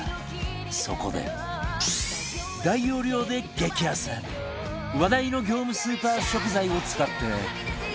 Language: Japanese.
そこで大容量で激安話題の業務スーパー食材を使って